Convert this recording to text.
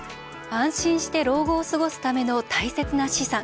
安心して老後を過ごすための大切な資産。